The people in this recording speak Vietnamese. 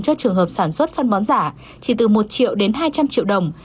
cho trường hợp sản xuất phân bón giả chỉ từ một triệu đến hai trăm linh triệu đồng